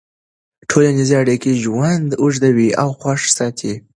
ټولنیزې اړیکې ژوند اوږدوي او خوښ ساتي.